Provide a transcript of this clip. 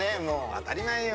当たり前よ。